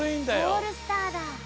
オールスターだ！